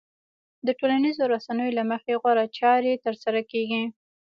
د ټولنيزو رسنيو له مخې غوره چارې ترسره کېږي.